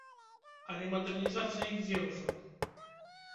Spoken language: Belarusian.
Але мадэрнізацыя ідзе ўжо.